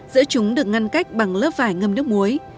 giữa chúng được ngăn cách bằng lớp vải ngâm nước muối